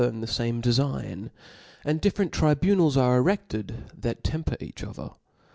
in the fame defign; and difierent tribunals are ere^ed^ that temper each other.